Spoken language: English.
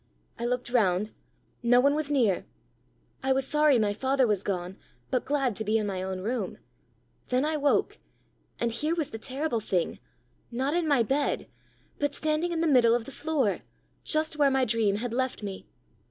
I looked round no one was near! I was sorry my father was gone, but glad to be in my own room. Then I woke and here was the terrible thing not in my bed but standing in the middle of the floor, just where my dream had left me!